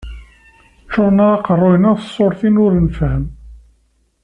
Ččuren-aɣ aqerru-nneɣ s tsurtin ur nfehhem.